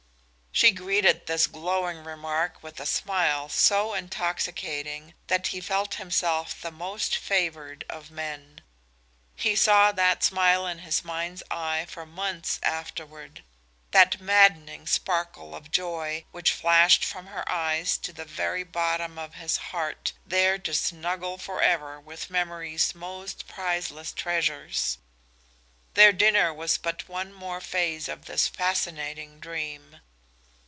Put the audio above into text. She greeted this glowing remark with a smile so intoxicating that he felt himself the most favored of men. He saw that smile in his mind's eye for months afterward, that maddening sparkle of joy, which flashed from her eyes to the very bottom of his heart, there to snuggle forever with Memory's most priceless treasures. Their dinner was but one more phase of this fascinating dream.